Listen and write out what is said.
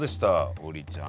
王林ちゃん。